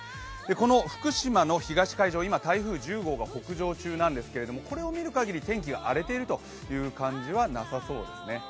この福島の東海上、今、台風１０号が北上中なんですがこれを見るかぎり天気が荒れているという感じはなさそうですね。